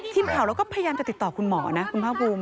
ทีมข่าวเราก็พยายามจะติดต่อคุณหมอนะคุณภาคภูมิ